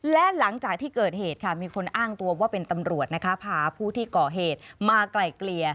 และหลังจากที่เกิดเหตุค่ะมีคนอ้างตัวว่าเป็นตำรวจนะคะพาผู้ที่ก่อเหตุมาไกลเกลี่ย